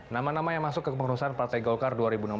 nama nama yang masuk ke kepengurusan partai golkar